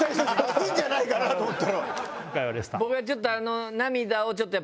僕はちょっと涙を。